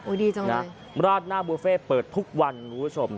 ดีจังนะราดหน้าบุฟเฟ่เปิดทุกวันคุณผู้ชม